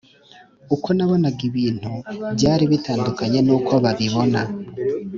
Uko nabonaga ibintu byari bitandukanye nuko babibona